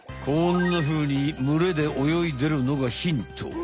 こんなふうに群れで泳いでるのがヒント。